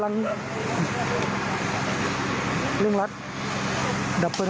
รับแจ้งว่าทั้งสองเปลี่ยน